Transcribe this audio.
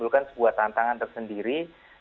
bukan sebuah tantangan tersendiri